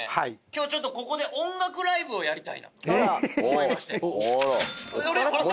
今日はちょっとここで音楽ライブをやりたいなと思いましてあれ？